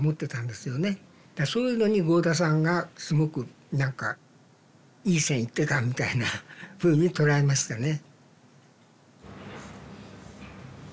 そういうのに合田さんがすごく何かいい線いってたみたいなふうに捉えましたね。